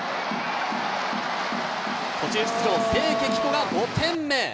途中出場、清家貴子が５点目。